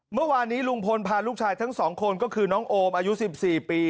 เมื่อวานนี้ลุงพลพาลูกชายทั้งสองคนก็คือน้องโอมอายุ๑๔ปี